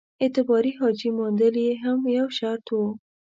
اعتباري حاجي موندل یې هم یو شرط وو.